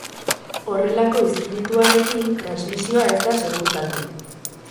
Horrelako izpirituarekin, transmisioa ez da segurtatu.